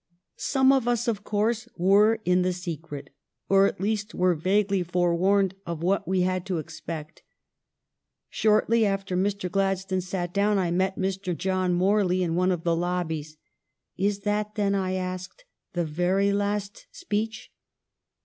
Some of us, of course, were in the secret, or at least were vaguely forewarned of what we had to expect. Shortly after Mr. Gladstone sat down I met Mr. John Morley in one of the lobbies. " Is that, then," I asked, "the very last speech?"